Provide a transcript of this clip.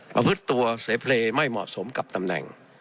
ประพฤติตัวเสเพลย์ไม่เหมาะสมกับตำแหน่ง